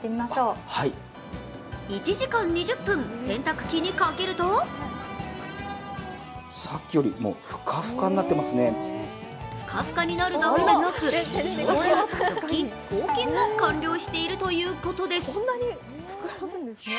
１時間２０分、洗濯機にかけるとふかふかになるだけでなく消臭、除菌、抗菌も完了しているということです。